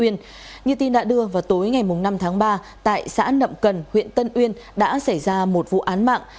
như tin đã đưa vào tối ngày năm tháng ba tại xã nậm cần huyện tân uyên đã xảy ra một vụ án mạng